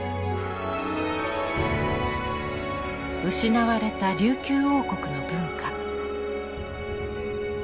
失われた琉球王国の文化。